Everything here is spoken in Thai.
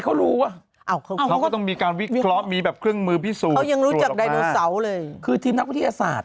ใครจะไม่เกิดฮั่นว้า